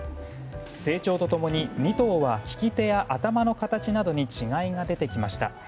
成長と共に２頭は利き手や頭の形などに違いが出てきました。